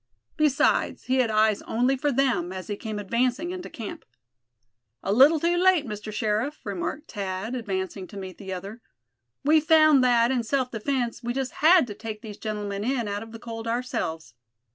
Besides, he had eyes only for them, as he came advancing into camp. "A little too late, Mr. Sheriff," remarked Thad, advancing to meet the other, "we found that in self defense we just had to take these gentlemen in out of the cold ourselves.